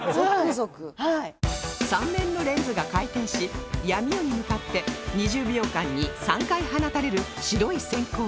３面のレンズが回転し闇夜に向かって２０秒間に３回放たれる白い閃光